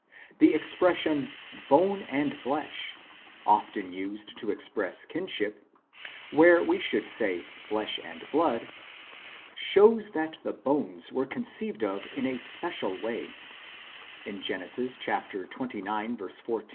The expression " bone and flesh," often used to express kinship, where we should say " flesh and blood," shows that the bones were conceived of in a special way ; in Gen. xxix. 14, e.